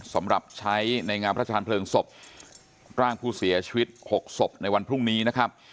สำหรับใช้ในงานพระชาญเพลิงศพร่างผู้เสียชีวิต๖ศพในวันพรุ่งนี้นะครับ